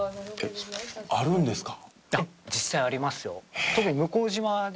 あるんですか？